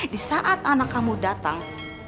di saat anak kamu datang